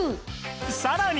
さらに